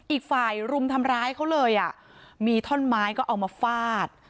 อีกฝ่ายรุมทำร้ายเขาเลยอ่ะมีท่อนไม้ก็เอามาฟาด